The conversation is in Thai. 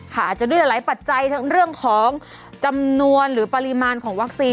อาจจะด้วยหลายปัจจัยทั้งเรื่องของจำนวนหรือปริมาณของวัคซีน